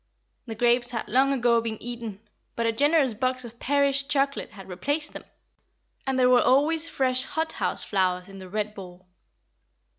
The grapes had long ago been eaten, but a generous box of Paris chocolate had replaced them, and there were always fresh hot house flowers in the red bowl.